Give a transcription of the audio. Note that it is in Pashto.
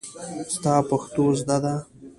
ستا پښتو زده ده.